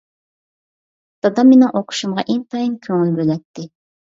دادام مېنىڭ ئوقۇشۇمغا ئىنتايىن كۆڭۈل بۆلەتتى.